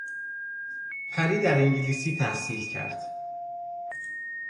پری در انگلیس تحصیل کرد.